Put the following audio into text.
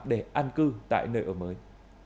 để an cư tại nơi ở mới